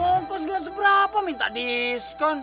oh kos gak seberapa minta diskon